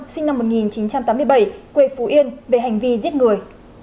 sinh năm một nghìn chín trăm tám mươi bảy quê phú yên về hành vi giết người